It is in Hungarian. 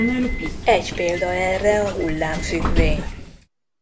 Egy példa erre a hullámfüggvény.